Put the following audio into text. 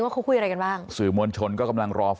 ทางคุณชัยธวัดก็บอกว่าการยื่นเรื่องแก้ไขมาตรวจสองเจน